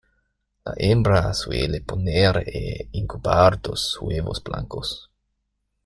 La hembra suele poner e incubar dos huevos blancos.